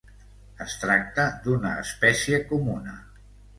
Es tracta d'una espècie comuna.